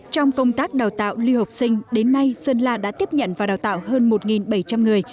trong công tác đào tạo lưu học sinh đến nay sơn la đã tiếp nhận và đào tạo hơn một bảy trăm linh người